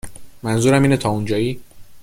منظورم اینه تا اونجایی